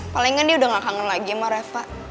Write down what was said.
palingan dia udah gak kangen lagi sama reva